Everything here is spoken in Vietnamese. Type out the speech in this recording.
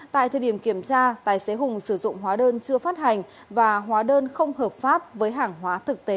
tại thời điểm kiểm tra tài xế hùng sử dụng hóa đơn chưa phát hành và hóa đơn không hợp pháp với hàng hóa thực tế